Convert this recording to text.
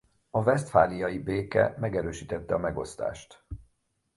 A vesztfáliai béke megerősítette a megosztást.